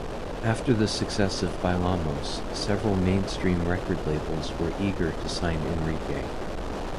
After the success of "Bailamos", several mainstream record labels were eager to sign Enrique.